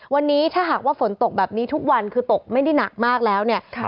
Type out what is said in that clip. วันนี้ถ้าหากว่าฝนตกแบบนี้ทุกวันคือตกไม่ได้หนักมากแล้วเนี่ย